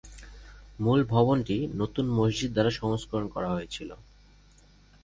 মূল ভবনটি নতুন মসজিদ দ্বারা সংস্করণ করা হয়েছিল।